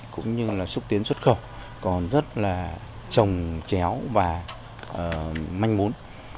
cũng như là xúc tiến xuất cầu còn rất là trồng chéo và manh muốn